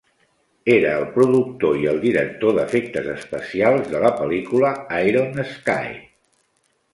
Era el productor i el director d'efectes especials de la pel·lícula "Iron Sky".